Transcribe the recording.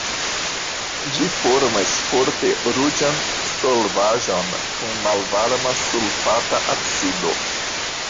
Ĝi formas forte ruĝan solvaĵon kun malvarma sulfata acido.